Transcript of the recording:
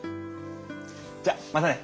じゃまたね。